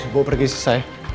gue pergi sih saya